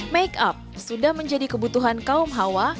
makeup sudah menjadi kebutuhan kaum hawa